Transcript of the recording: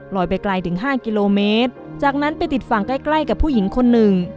ไปไกลถึงห้ากิโลเมตรจากนั้นไปติดฝั่งใกล้ใกล้กับผู้หญิงคนหนึ่ง